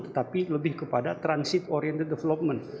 tetapi lebih kepada transit oriented development